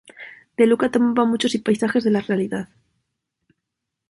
De Luca tomaba muchos paisajes de la realidad.